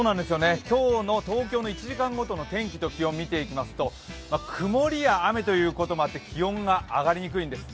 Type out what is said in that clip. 今日の東京の１時間ごとの天気と気温、見ていきますと曇りや雨ということもあって気温が上がりにくいんです。